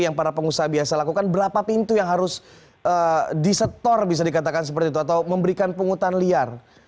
yang para pengusaha biasa lakukan berapa pintu yang harus disetor bisa dikatakan seperti itu atau memberikan pungutan liar